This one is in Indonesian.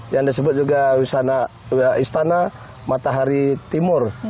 yang disebut juga istana matahari timur